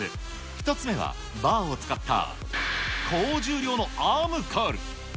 １つ目はバーを使った高重量のアームカール。